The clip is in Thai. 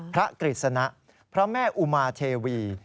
กฤษณะพระแม่อุมาเทวี